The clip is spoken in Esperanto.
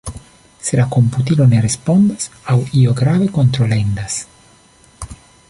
Se la komputilo ne respondas aŭ io grave kontrolendas.